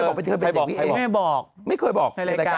แล้วอะไรนะใครบอกใครบอก